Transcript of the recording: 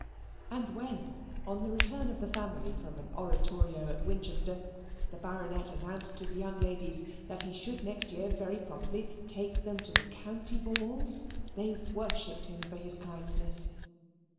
And when, on the return of the family from an oratorio at Winchester, the Baronet announced to the young ladies that he should next year very probably take them to the "county balls," they worshipped him for his kindness.